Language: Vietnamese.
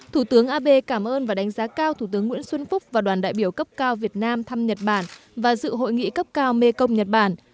thủ tướng abe cảm ơn và đánh giá cao thủ tướng nguyễn xuân phúc và đoàn đại biểu cấp cao việt nam thăm nhật bản và dự hội nghị cấp cao mekong nhật bản